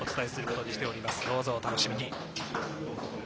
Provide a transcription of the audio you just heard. どうぞお楽しみに。